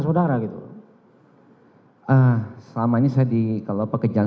saya akan mencoba untuk mencoba